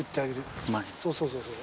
そうそうそうそう。